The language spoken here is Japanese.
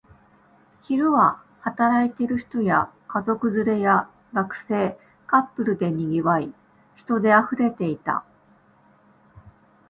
昼は働いている人や、家族連れや学生、カップルで賑わい、人で溢れていた